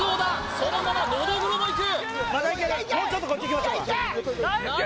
そのままノドグロもいく大輔さん